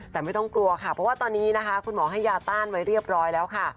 แต่ไม่ต้องกลัวค่ะเพราะว่าตอนนี้นะคะคุณหมอให้ยาต้านไว้เรียบร้อยแล้วค่ะ